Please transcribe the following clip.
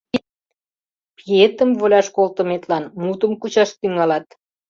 Пиетым воляш колтыметлан мутым кучаш тӱҥалат.